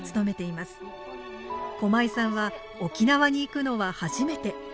駒井さんは沖縄に行くのは初めて。